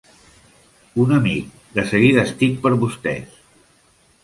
Un amic, de seguida estic per vostès.